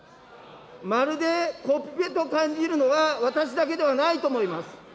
まるでコピペと感じるのは、私だけではないと思います。